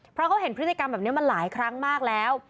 เพราะเขาเห็นพฤติกรรมแบบนี้มาหลายครั้งมากแล้ว